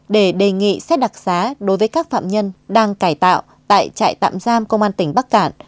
để đề nghị xét đặc xá đối với các phạm nhân đang cải tạo tại trại tạm giam công an tỉnh bắc cạn